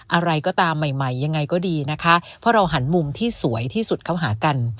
อะไรก็ตามใหม่ใหม่ยังไงก็ดีนะคะเพราะเราหันมุมที่สวยที่สุดเข้าหากัน